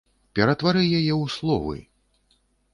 Ператвары яе ў словы!